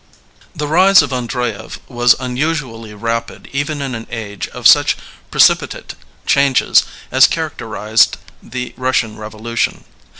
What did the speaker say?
[IHE rise of Andreyev was nnusnally rapid even in an age of such precipitate changes as characterized the Bnssian Revolotion.